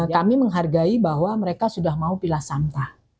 kami menghargai bahwa mereka sudah mau pilih sampah